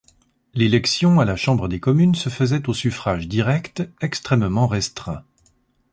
L'élection à la Chambre des communes se faisait au suffrage direct extrêmement restreint.